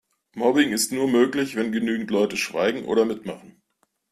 Mobbing ist nur möglich, wenn genügend Leute schweigen oder mitmachen.